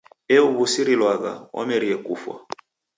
Euw'usirilwagha wameria kufwa!